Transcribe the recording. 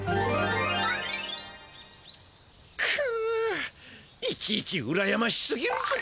くうっいちいちうらやましすぎるぞ。